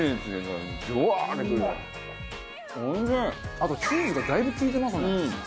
あとチーズがだいぶ利いてますね。